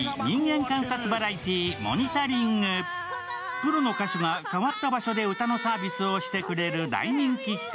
プロの歌手が変わった場所で歌のサービスをしてくれる大人気企画。